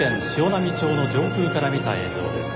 波町の上空から見た映像です。